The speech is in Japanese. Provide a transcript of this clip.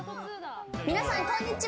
皆さん、こんにちは！